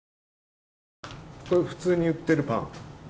これ、普通に売っているパン。